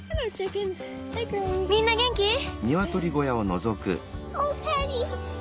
みんな元気？